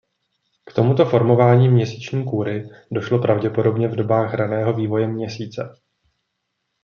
K tomuto formování měsíční kůry došlo pravděpodobně v dobách raného vývoje Měsíce.